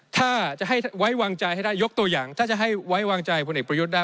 ถ้าจะให้ไว้วางใจให้ได้ยกตัวอย่างถ้าจะให้ไว้วางใจพลเอกประยุทธ์ได้